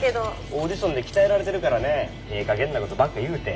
オーディションで鍛えられてるからねええかげんなことばっか言うて。